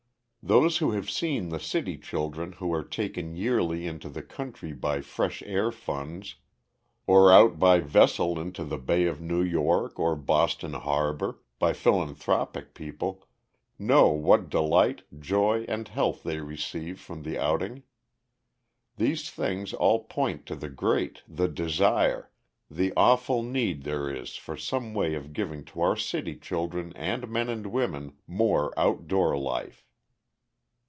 Those who have seen the city children who are taken yearly into the country by Fresh Air Funds, or out by vessel into the Bay of New York or Boston Harbor, by philanthropic people, know what delight, joy, and health they receive from the outing. These things all point to the great, the dire, the awful need there is for some way of giving to our city children and men and women more out door life.